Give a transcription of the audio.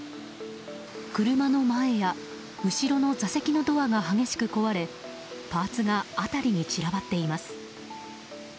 車の前や後ろの座席のドアが激しく壊れパーツが辺りに散らばっています。